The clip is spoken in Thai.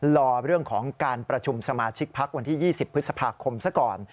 รอเรื่องของการประชุมสมาชิกพักวันที่๒๐พฤษภาคมซะก่อน